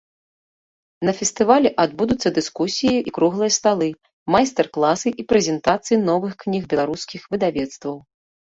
На фестывалі адбудуцца дыскусіі і круглыя сталы, майстар-класы і прэзентацыі новых кніг беларускіх выдавецтваў.